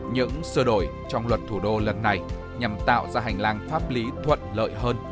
những sơ đổi trong luật thủ đô lần này nhằm tạo ra hành lang pháp lý thuận lợi hơn